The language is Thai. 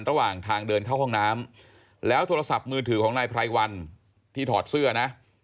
ระหว่างทางเดินเข้าห้องน้ำแล้วโทรศัพท์มือถือของนายไพรวันที่ถอดเสื้อนะ